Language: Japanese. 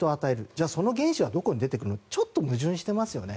じゃあ、その原資はどこから出てくるのってちょっと矛盾してますよね。